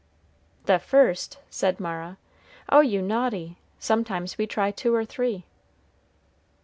"The first!" said Mara. "Oh, you naughty! sometimes we try two or three."